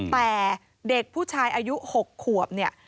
แต่เด็กผู้ชายอายุ๖ขวบเนี่ย